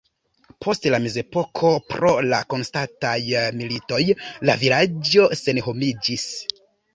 Post la mezepoko pro la konstantaj militoj la vilaĝo senhomiĝis.